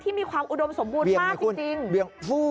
มีความอุดมสมบูรณ์มากจริง